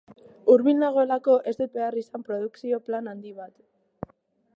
Hurbil nagoelako, ez dut behar izan produkzio plan handi bat.